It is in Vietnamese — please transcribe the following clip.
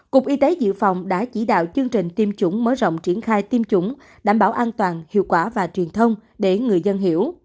cục y tế dự phòng đã chỉ đạo chương trình tiêm chủng mở rộng triển khai tiêm chủng đảm bảo an toàn hiệu quả và truyền thông để người dân hiểu